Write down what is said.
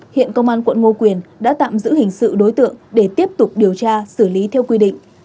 hiện công an quận ngô quyền đã tạm giữ hình sự đối tượng để tiếp tục điều tra xử lý theo quy định